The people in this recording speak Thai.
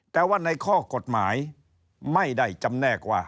แต่ว่าในข้อกฎหมายไม่ได้จำแนกว่า